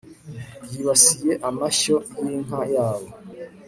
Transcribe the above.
yibasiye amashyo y'inka yabo